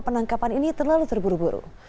penangkapan ini terlalu terburu buru